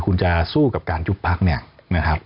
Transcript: คุณจะสู้กับการยุบพักเนี่ยนะครับ